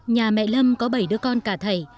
nhà mẹ lâm có bảy đứa con cả thầy